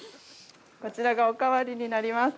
◆こちらがお代わりになります。